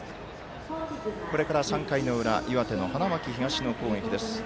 これから３回の裏岩手の花巻東の攻撃です。